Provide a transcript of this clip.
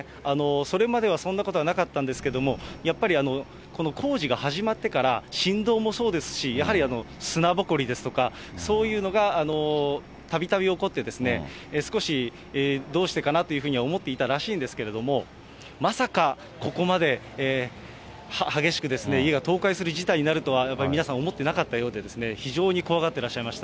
それまではそんなことはなかったんですけれども、やっぱりこの工事が始まってから、振動もそうですし、やはり砂ぼこりですとか、そういうのがたびたび起こって、少し、どうしてかなというふうには思っていたらしいんですけれども、まさか、ここまで激しくですね、家が倒壊する事態になるとはやっぱり皆さん、思ってなかったようで、非常に怖がってらっしゃいました。